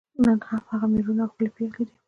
نن هم هغه میړونه او ښکلي پېغلې دي.